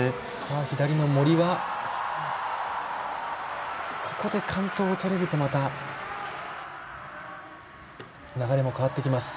左の森はここで完登をとれると、また流れも変わってきます。